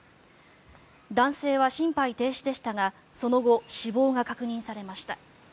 男性は心肺停止でしたがその後、死亡が確認されました。